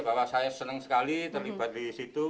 bahwa saya seneng sekali terlibat disitu